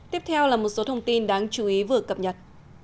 tiếp theo là một số thông tin đáng chú ý vừa cập nhật